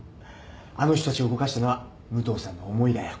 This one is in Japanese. あの人たちを動かしたのは武藤さんの思いだよ。